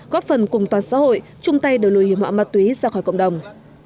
góp phần cùng toàn xã hội chung tay đổi lùi hiểm họa ma túy ra khỏi cộng đồng